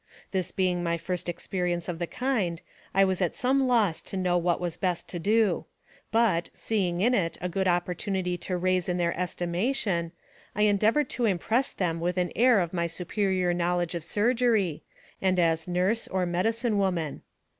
This being my first experience of the kind, I was at some loss to know what was best to do; but, seeing in it a good opportunity to raise in their estimation, I en deavored to impress them with an air of my superior knowledge of surgery, and as nurse, or medicine woman.